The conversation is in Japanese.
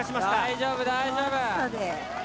大丈夫大丈夫。